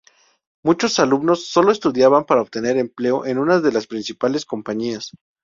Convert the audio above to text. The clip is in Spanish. Muchos alumnos solo estudiaban para obtener empleo en una de las principales compañías.